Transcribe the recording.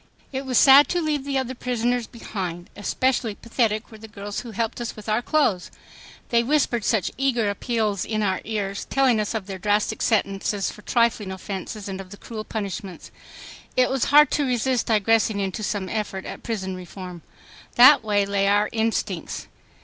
It was sad to leave the other prisoners behind. Especially pathetic were the girls who helped us with our clothes. They whispered such eager appeals in our ears, telling us of their drastic sentences for trifling offenses and of the cruel punishments. It was hard to resist digressing into some effort at prison reform. That way lay our instincts.